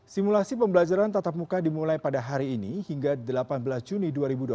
simulasi pembelajaran tatap muka dimulai pada hari ini hingga delapan belas juni dua ribu dua puluh